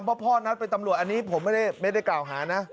เพราะพ่อนัดเป็นตำรวจอันนี้ผมไม่ได้กล่าวหานะ